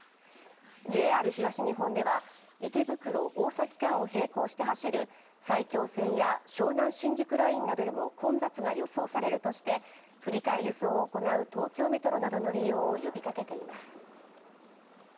ＪＲ東日本では池袋−大崎間を平行して走る埼京線や湘南新宿ラインなどでも混雑が予想されるとして振り替え輸送を行う東京メトロなどの利用を呼びかけています。